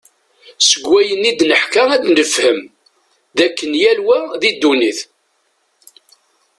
Seg wayen id-neḥka ad nefhem, d akken yal wa di ddunit.